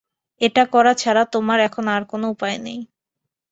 এটা করা ছাড়া তোমার এখন আর কোন উপায় নেই।